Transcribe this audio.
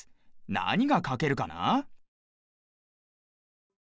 なにがかけるかな？